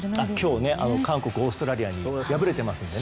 今日、韓国がオーストラリアに敗れていますからね。